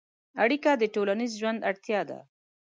اړیکه د ټولنیز ژوند اړتیا ده.